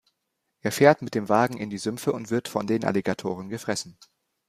Er fährt mit dem Wagen in die Sümpfe und wird von den Alligatoren gefressen.